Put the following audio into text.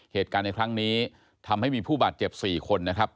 เหตุการณ์ในครั้งนี้ทำให้มีผู้บาดเจ็บ๔คนนะครับ